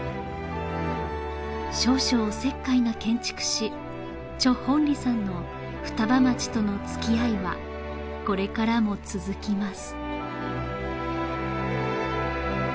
少々おせっかいな建築士弘利さんの双葉町とのつきあいはこれからも続きます